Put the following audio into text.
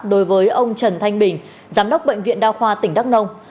đối với ông trần thanh bình giám đốc bệnh viện đa khoa tỉnh đắk nông